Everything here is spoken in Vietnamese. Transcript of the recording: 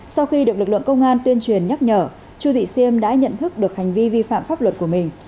sau khi được lực lượng công an tuyên truyền nhắc nhở chu thị siêm đã nhận thức được hành vi vi phạm pháp luật của mình